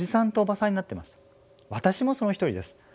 私もその一人です。